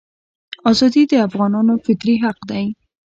ازادي د افغانانو فطري حق دی.